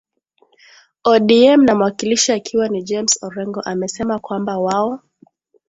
odm na mwakilishi akiwa ni james orengo amesema kwamba wao